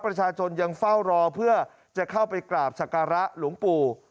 ประชาชนยังเฝ้ารอเพื่อจะเข้าไปกราบสการะหลวงปู่